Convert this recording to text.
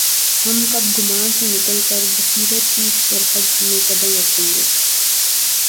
ہم کب گمان سے نکل کربصیرت کی سرحد میں قدم رکھیں گے؟